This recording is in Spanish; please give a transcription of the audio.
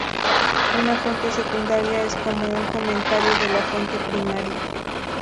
Una fuente secundaria es como un comentario de la fuente primaria.